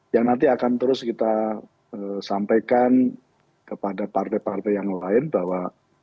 yang nanti akan terus kita sampaikan kepada partai partai yang lain bahwa